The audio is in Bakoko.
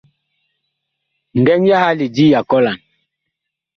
Ngɛŋ yaha lidi ya kɔlan.